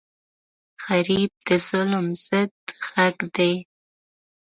غریب د ظلم ضد غږ دی